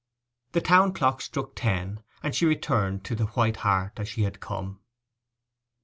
The town clock struck ten, and she returned to the White Hart as she had come.